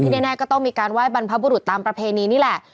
แน่ก็ต้องมีการไหว้บรรพบุรุษตามประเพณีนี่แหละ